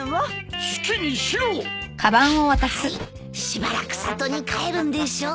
しばらく里に帰るんでしょ？